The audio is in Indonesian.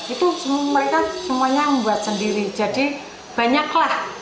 itu mereka semuanya membuat sendiri jadi banyaklah